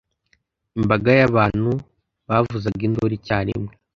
imbaga y'abantu bavuzaga induru icyarimwe